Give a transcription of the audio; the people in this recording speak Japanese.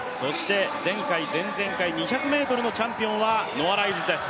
前回、前々回２００ｍのチャンピオンはノア・ライルズです。